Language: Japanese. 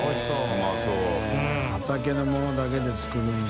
Δ泙修Α畑のものだけで作るんだ。